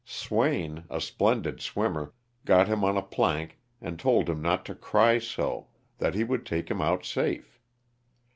Swain (a splendid swimmer) got him on a plank and told him not to cry so ; that he would take him out safe.